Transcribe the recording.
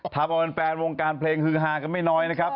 ทำเอาแฟนวงการเพลงฮือฮากันไม่น้อยนะครับ